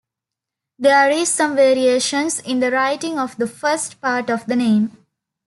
There is some variation in the writing of the first part of the name.